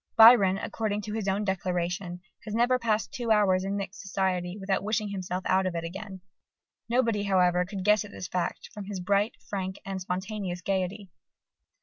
Byron, according to his own declaration, has never passed two hours in mixed society without wishing himself out of it again. Nobody, however, could guess at this fact from his bright, frank, and spontaneous gaiety.